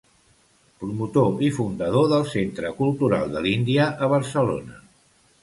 Promotor i fundador del Centre Cultural de l'Índia a Barcelona.